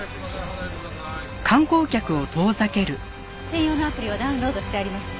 専用のアプリはダウンロードしてあります。